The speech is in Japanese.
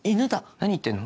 何言ってんの？